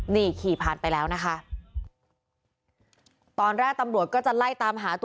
นี่ขี่ผ่านไปแล้วนะคะตอนแรกตำรวจก็จะไล่ตามหาตัว